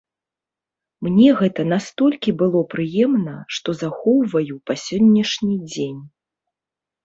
Мне гэта настолькі было прыемна, што захоўваю па сённяшні дзень.